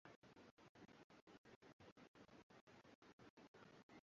Wapiganaji wa pili Oodokilani hufanya aina ya mchezo inayoitwa adumu au aigus